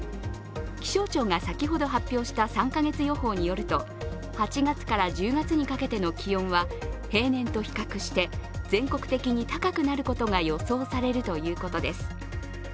気象庁が先ほど発表した３か月予報によると８月から１０月にかけての気温は平年と比較して全国的に高くなることが予想されるということです。